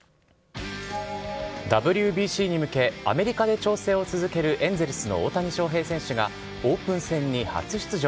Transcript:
ＷＢＣに向け、アメリカで調整を続けるエンゼルスの大谷翔平選手がオープン戦に初出場。